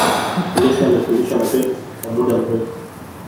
Messi amefundishwa na pep kwa muda mrefu